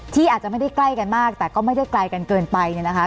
ที่อาจจะไม่ได้ใกล้กันมากแต่ก็ไม่ได้ไกลกันเกินไปเนี่ยนะคะ